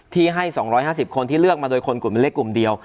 ที่ให้๒๕๐คนที่เลือกมาโดยคนกลุ่มเล็กกลุ่มเดียว